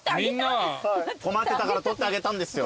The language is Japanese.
困ってたから撮ってあげたんですよ。